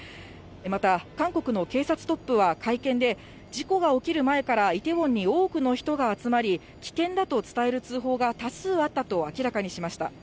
また韓国の警察トップは会見で、事故が起きる前からイテウォンに多くの人が集まり、危険だと伝える通報が多数あったと明らかにしました。